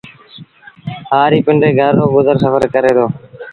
هآريٚ پندري گھر رو گزر سڦر ڪري دو